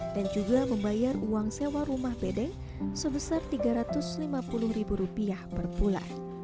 dan juga membayar uang sewa rumah bedeng sebesar tiga ratus lima puluh ribu rupiah per bulan